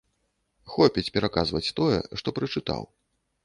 Хопіць пераказваць тое, што прачытаў.